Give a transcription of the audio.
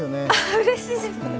うれしいです。